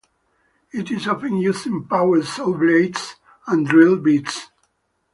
It is often used in power-saw blades and drill bits.